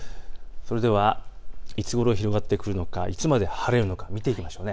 それではいつごろ広がってくるのか、いつまで晴れるのか見ていきましょう。